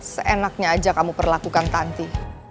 seenaknya aja kamu perlakukan tanti